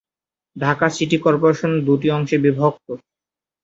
Dhaka city corporation দুটি অংশে বিভক্ত।